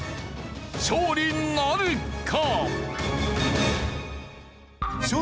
勝利なるか！？